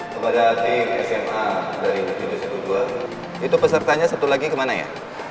kepada tim sma dari tujuh ratus dua belas itu pesertanya satu lagi kemana ya